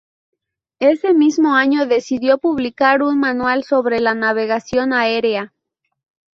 Ese mismo año decidió publicar un manual sobre la navegación área.